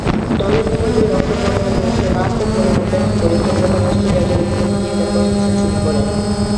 দলের বিপর্যয় রক্ষা করেন ও জোন্সের মারাত্মক বোলিং উপেক্ষা করে সফরকারী অস্ট্রেলিয়া দলের বিপক্ষে তিনি তাঁর প্রথম সেঞ্চুরি করেন।